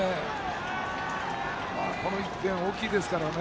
この１点は大きいですから。